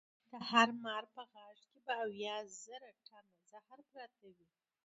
د هر مار په غاښ کې به اویا زره ټنه زهر پراته وي.